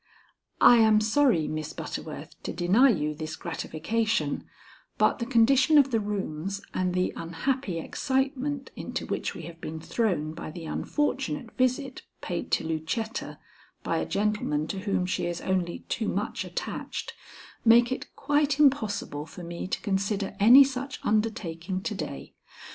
"I am sorry, Miss Butterworth, to deny you this gratification, but the condition of the rooms and the unhappy excitement into which we have been thrown by the unfortunate visit paid to Lucetta by a gentleman to whom she is only too much attached, make it quite impossible for me to consider any such undertaking to day.